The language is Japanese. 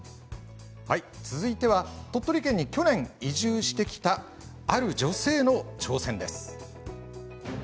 続いては鳥取県に去年移住してきたある女性の挑戦です。